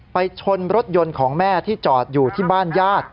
ไปชนรถยนต์ของแม่ที่จอดอยู่ที่บ้านญาติ